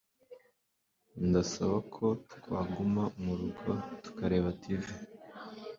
ndasaba ko twaguma murugo tukareba tv